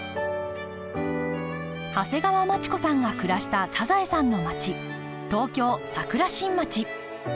長谷川町子さんが暮らしたサザエさんの街東京・桜新町。